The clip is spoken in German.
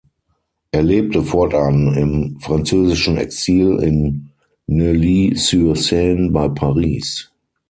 Er lebte fortan im französischen Exil in Neuilly-sur-Seine bei Paris.